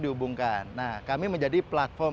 dihubungkan nah kami menjadi platform